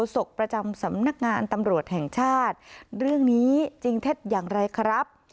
ศกประจำสำนักงานตำรวจแห่งชาติเรื่องนี้จริงเท็จอย่างไรครับ